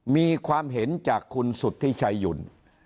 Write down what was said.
มีความเห็นจากคุณสุธิชายุ่น